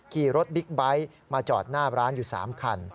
ขี่รถบิ๊กไบท์มาจอดหน้าร้านอยู่๓คัน